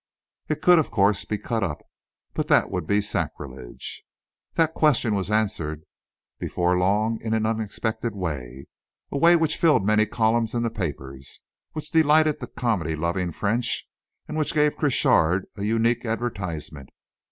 It could, of course, be cut up but that would be sacrilege! That question was answered, before long, in an unexpected way a way which filled many columns in the papers, which delighted the comedy loving French, and which gave Crochard a unique advertisement.